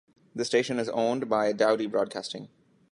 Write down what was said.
The station is owned by Dowdy Broadcasting.